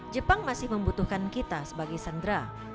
jepang masih membutuhkan kita sebagai sendera